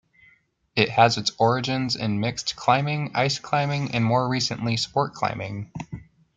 It has its origins in mixed climbing, ice climbing and more recently sport climbing.